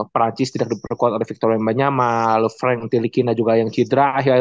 perancis tidak diperkuat oleh victor lembanya sama frank tilikina juga yang cidra